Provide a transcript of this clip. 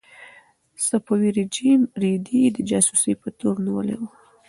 صفوي رژیم رېدی د جاسوسۍ په تور نیولی و.